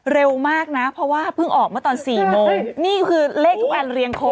เร็วมากนะเพราะว่าเพิ่งออกมาตอน๔โมงนี่คือเลขทุกอันเรียงครบ